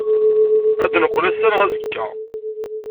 Ad d-neqqel ass-a neɣ azekka.